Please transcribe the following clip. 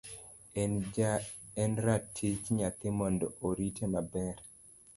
En ratich nyathi mondo orite maber.